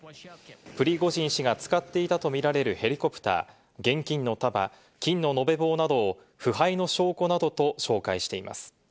プリゴジン氏が使っていたとみられるヘリコプター、現金の束、金の延べ棒などを腐敗の証拠などと紹介しています。